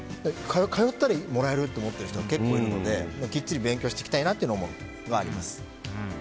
通ったらもらえると思ってる人結構いるのできっちり勉強していきたいなという思いはあります。